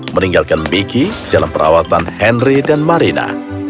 meninggalkan biki dalam perawatan henry dan marina